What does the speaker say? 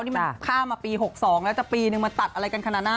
นี่มันข้ามมาปี๖๒แล้วจะปีนึงมาตัดอะไรกันขนาดนั้น